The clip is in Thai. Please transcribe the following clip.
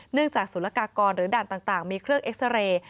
จากศูนยากากรหรือด่านต่างมีเครื่องเอ็กซาเรย์